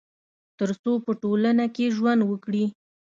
تر څو په ټولنه کي ژوند وکړي